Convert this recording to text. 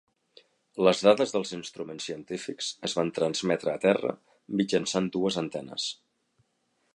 Les dades dels instruments científics es van transmetre a terra mitjançant dues antenes.